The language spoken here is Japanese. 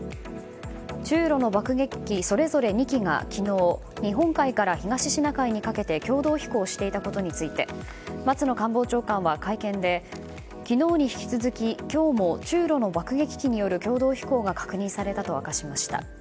中ロの爆撃機それぞれ２機が昨日、日本海から東シナ海にかけて共同飛行していたことについて松野官房長官は会見で昨日に引き続き今日も中ロの爆撃機による共同飛行が確認されたと明かしました。